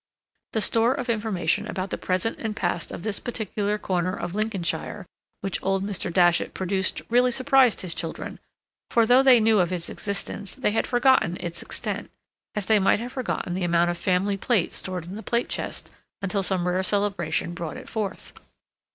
The store of information about the present and past of this particular corner of Lincolnshire which old Mr. Datchet produced really surprised his children, for though they knew of its existence, they had forgotten its extent, as they might have forgotten the amount of family plate stored in the plate chest, until some rare celebration brought it forth.